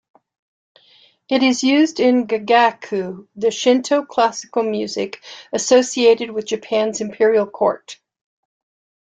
It is used in gagaku, the Shinto classical music associated with Japan's imperial court.